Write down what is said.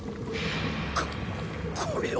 ここれは。